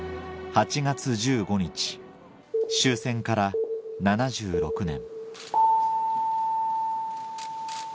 ８月１５日終戦から７６年